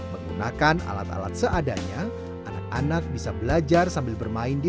menggunakan alat alat seadanya anak anak bisa belajar sambil bermain di